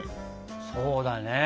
そうだね。